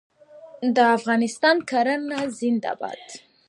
د افغانستان کرنه زنده باد.